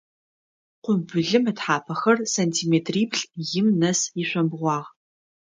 Къумбылым ытхьапэхэр сантиметриплӏ-им нэс ишъомбгъуагъ.